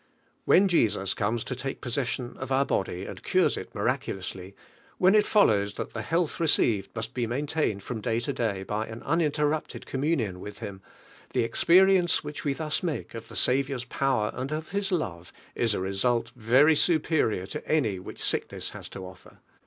When ,Iesus conies to take pos session of our body, and cures it miracu lously, when it follows that the health received mnsi ho maintained from day to day by an uninterrupted communion with llini. i In experience which we thus make of (he Saviour's power and of His love is a result very superior lo any which sickness has to offer.